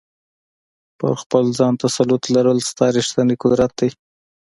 په خپل ځان تسلط لرل ستا ریښتینی قدرت دی.